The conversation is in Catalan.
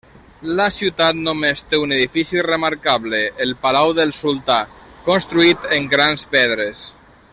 La ciutat només té un edifici remarcable: el palau del sultà, construït en grans pedres.